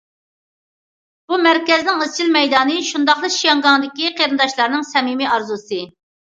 بۇ مەركەزنىڭ ئىزچىل مەيدانى شۇنداقلا شياڭگاڭدىكى قېرىنداشلارنىڭ سەمىمىي ئارزۇسى.